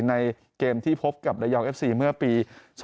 ในเกมที่พบกับระยองเอฟซีเมื่อปี๒๕๖